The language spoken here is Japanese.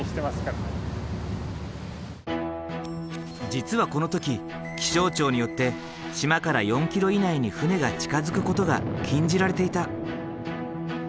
実はこの時気象庁によって島から４ｋｍ以内に船が近づくことが禁じられていた。